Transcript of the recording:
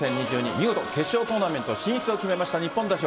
見事決勝トーナメント進出を決めました、日本代表。